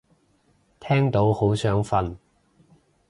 聽到好想瞓